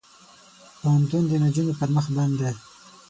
پوهنتون د نجونو پر مخ بند دی.